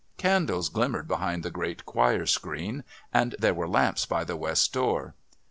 Candles glimmered behind the great choir screen and there were lamps by the West door.